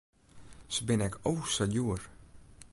Se binne ek o sa djoer.